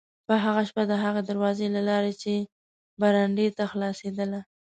په هغه شپه د هغې دروازې له لارې چې برنډې ته خلاصېدله.